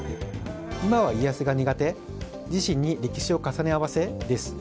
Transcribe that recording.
今は家康が苦手自身に歴史を重ね合わせ？です。